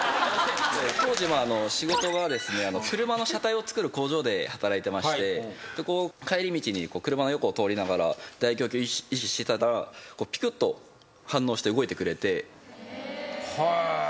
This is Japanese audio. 当時仕事が車の車体を作る工場で働いてまして帰り道に車の横を通りながら大胸筋を意識してたらピクッと反応して動いてくれて仕事の帰りに。